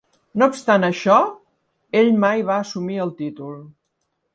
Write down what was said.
No obstant això, ell mai va assumir el títol.